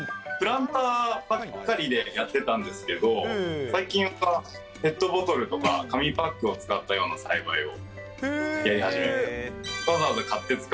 プランターばかりでやってたんですけど、最近はペットボトルとか、紙パックを使ったような栽培をやり始めました。